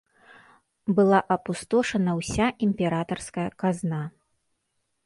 Была апустошана ўся імператарская казна.